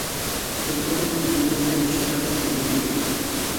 كۆز ئالدىمدىكى بۇ مەنزىرە شۇ قەدەر گۈزەل ئىدى.